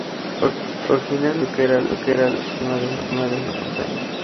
Originalmente creyó que era la cima de una montaña.